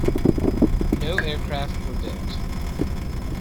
No aircraft were built.